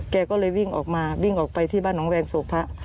แกก็เลยวิ่งออกมาวิ่งออกไปที่บ้านน้องแวงโศกพระ